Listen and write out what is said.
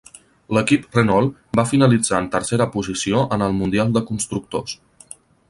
L'equip Renault va finalitzar en tercera posició en el mundial de constructors.